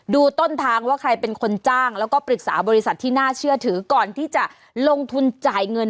ต้นทางว่าใครเป็นคนจ้างแล้วก็ปรึกษาบริษัทที่น่าเชื่อถือก่อนที่จะลงทุนจ่ายเงิน